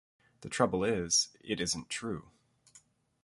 The trouble is, it isn't true.